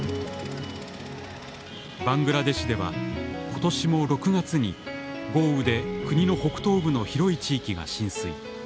バングラデシュでは今年も６月に豪雨で国の北東部の広い地域が浸水。